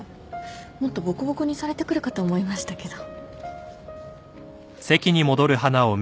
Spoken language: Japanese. もっとボコボコにされてくるかと思いましたけど。